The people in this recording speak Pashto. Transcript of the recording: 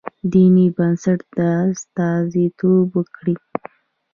دیني بنسټ استازیتوب وکړي.